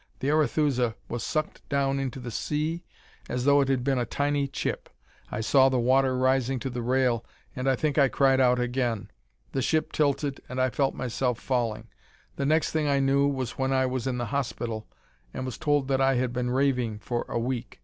The Arethusa was sucked down into the sea as though it had been a tiny chip. I saw the water rising to the rail, and I think I cried out again. The ship tilted and I felt myself falling. The next thing I knew was when I was in the hospital and was told that I had been raving for a week.